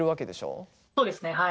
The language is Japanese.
そうですねはい。